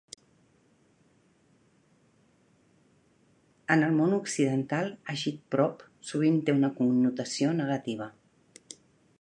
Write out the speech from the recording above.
En el món occidental, "agitprop" sovint té una connotació negativa.